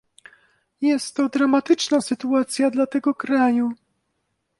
Jest to dramatyczna sytuacja dla tego kraju